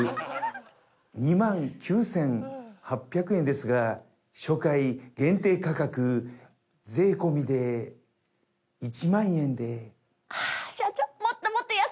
１つ２９，８００円ですが初回限定価格税込で１万円で。